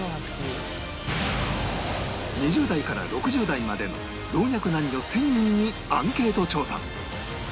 ２０代から６０代までの老若男女１０００人にアンケート調査